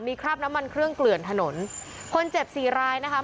มีคราบน้ำมันเครื่องเกลื่อนถนนคนเจ็บสี่รายนะคะ